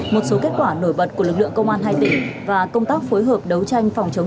một số kết quả nổi bật của lực lượng công an hai tỉnh và công tác phối hợp đấu tranh phòng chống